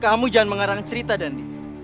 kamu jangan mengarang cerita dandi